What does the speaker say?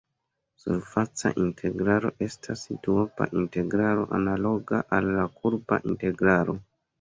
Surfaca integralo estas duopa integralo analoga al la kurba integralo.